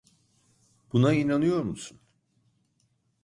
Buna inanıyor musun?